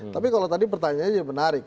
tapi kalau tadi pertanyaannya menarik